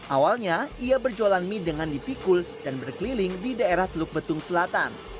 awalnya ia berjualan mie dengan dipikul dan berkeliling di daerah teluk betung selatan